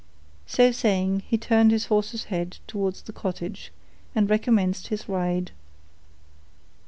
So saying, he turned his horse's head towards the cottage, and recommenced his ride.